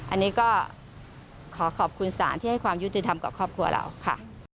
อันนี้ก็ขอขอบคุณศาลที่ให้ความยุติธรรมกับครอบครัวเราค่ะ